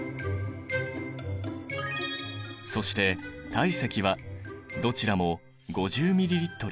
そして体積はどちらも５０ｍＬ。